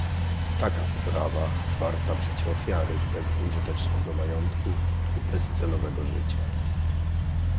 "Taka sprawa warta przecie ofiary z bezużytecznego majątku i bezcelowego życia."